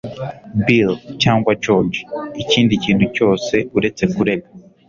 bill cyangwa george - ikindi kintu cyose uretse kurega